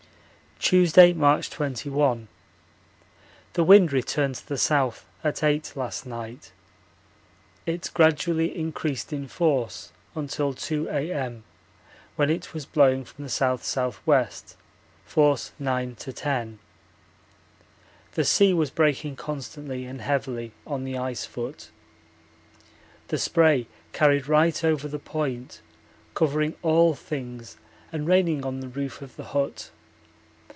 Tuesday, March 21. The wind returned to the south at 8 last night. It gradually increased in force until 2 A.M., when it was blowing from the S.S.W., force 9 to 10. The sea was breaking constantly and heavily on the ice foot. The spray carried right over the Point covering all things and raining on the roof of the hut.